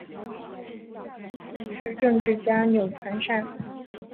父亲是政治家钮传善。